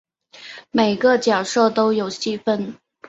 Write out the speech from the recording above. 每个角色都有戏份